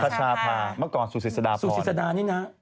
กระชาภามาก่อนสู่ศิษย์ศาสตร์พรสู่ศิษย์ศาสตร์นี้นะ